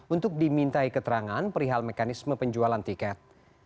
untuk dimintai keterangan perihal mekanisme penjualan tiket